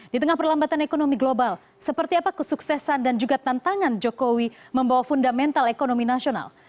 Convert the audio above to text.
di tengah perlambatan ekonomi global seperti apa kesuksesan dan juga tantangan jokowi membawa fundamental ekonomi nasional